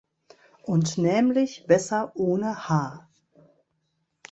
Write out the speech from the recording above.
Und nämlich besser ohne "H".